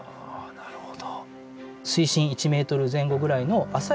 なるほど。